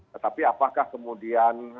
tetapi apakah kemudian